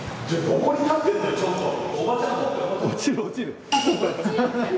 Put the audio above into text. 落ちる落ちる。